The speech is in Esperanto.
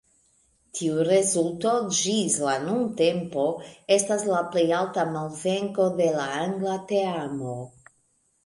Tiu rezulto ĝis la nuntempo estas la plej alta malvenko de la angla teamo.